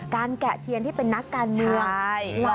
แกะเทียนที่เป็นนักการเมือง